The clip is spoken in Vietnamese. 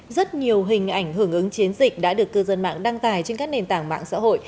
rất nhiều hình ảnh hưởng ứng chiến dịch đã được cư dân mạng đăng tài trên các nền tảng mạng xã hội